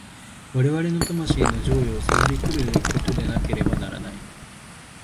我々の魂の譲与を迫り来ることでなければならない。